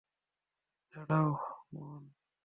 দাঁড়াও, বোন।